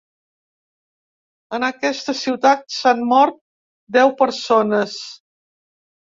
En aquesta ciutat s’han mort deu persones.